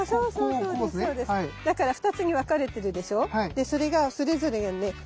でそれがそれぞれにね